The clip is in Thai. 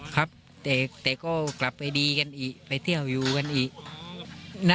ครับว่าเขาก็กลับไปไปเต้าอยู่กันอีก